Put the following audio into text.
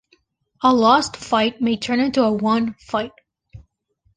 A lost fight may turn into a won fight.